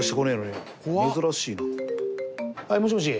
はいもしもし。